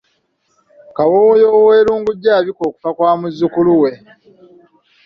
Kawooya ow'e Lungujja abika okufa kwa muzzukulu we